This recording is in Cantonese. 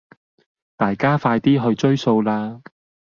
大家快啲去追數啦